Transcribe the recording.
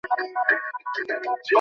আমার মায়ের রক্তশুন্যতা দেখা দিয়েছে।